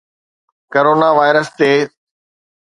corona virus تي